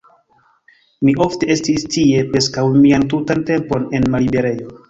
Mi ofte estis tie, preskaŭ mian tutan tempon en malliberejo.